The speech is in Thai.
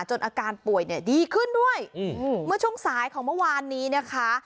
อาการป่วยเนี่ยดีขึ้นด้วยเมื่อช่วงสายของเมื่อวานนี้นะคะ